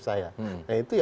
nah itu yang harus diutuhi